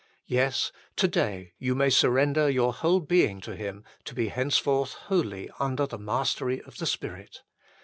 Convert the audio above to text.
Yes : to day you may surrender your whole being to Him to be henceforth wholly under the mastery of the Spirit.